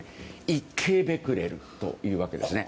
１京ベクレルというわけですね。